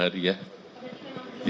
tapi memang belum